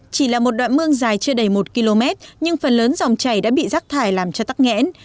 chỉ là một đoạn mương dài chưa đầy một km nhưng phần lớn dòng chảy đã bị rác thải làm cho tắc nghẽn